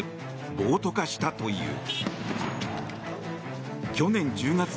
暴徒化したという。